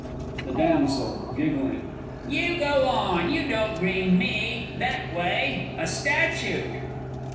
THE DAMSEL. You go on you don't green me that w'y a statute!